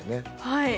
はい。